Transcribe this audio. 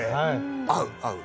合う合う。